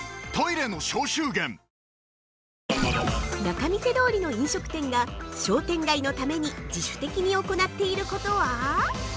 ◆仲見世通りの飲食店が商店街のために自主的に行っていることは？